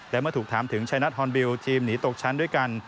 และเมื่อถูกถามถึงชัยนัทฮอนบิลทีมหนีตกชั้นด้วยกัน